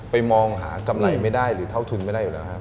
มองหากำไรไม่ได้หรือเท่าทุนไม่ได้อยู่แล้วครับ